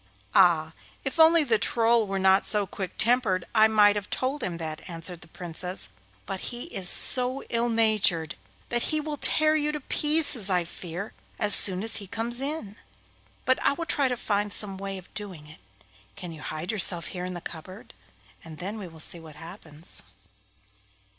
'Ah! if only the Troll were not so quick tempered I might have told him that,' answered the Princess, 'but he is so ill natured that he will tear you to pieces, I fear, as soon as he comes in. But I will try to find some way of doing it. Can you hide yourself here in the cupboard? and then we will see what happens.